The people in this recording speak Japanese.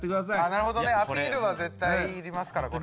なるほどねアピールは絶対いりますからこれ。